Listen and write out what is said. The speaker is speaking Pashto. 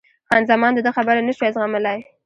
خان زمان د ده خبرې نه شوای زغملای.